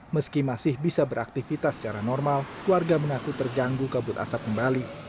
meski masih bisa beraktivitas secara normal warga mengaku terganggu kabut asap kembali